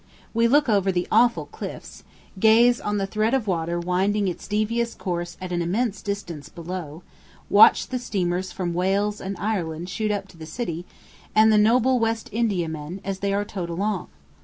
We look over the awful cliffs gaze on the thread of water winding its devious course at an immense distance below watch the steamers from Wales and Ireland shoot up to the city, and the noble West Indiamen, as they are towed along.